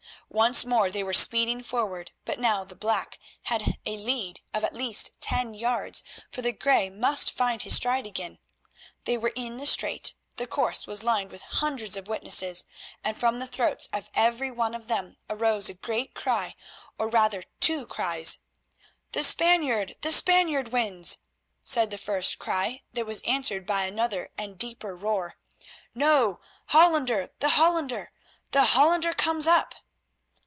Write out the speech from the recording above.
Once more they were speeding forward, but now the black had a lead of at least ten yards, for the grey must find his stride again. They were in the straight; the course was lined with hundreds of witnesses, and from the throats of every one of them arose a great cry, or rather two cries. "The Spaniard, the Spaniard wins!" said the first cry that was answered by another and a deeper roar. "No, Hollander, the Hollander! The Hollander comes up!"